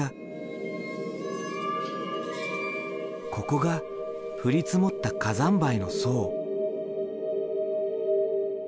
ここが降り積もった火山灰の層。